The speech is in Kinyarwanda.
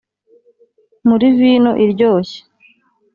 muri vino iryoshye